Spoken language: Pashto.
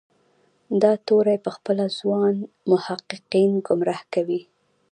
دا توری پخپله ځوان محققین ګمراه کوي.